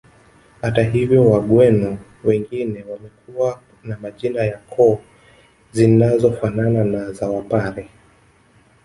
Hata hivyo wagweno wengine wamekuwa na majina ya koo zinazofanana na za wapare